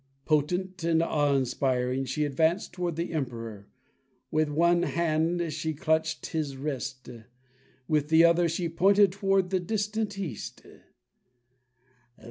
Potent and awe inspiring, she advanced toward the Emperor. With one hand she clutched his wrist, with the other she pointed toward the distant East.